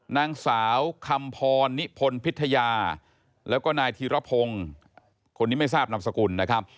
นางสาวคำพรนิพลพิทยาแล้วก็นายธีรพงศ์คนนี้ไม่ทราบนามสกุลนะครับ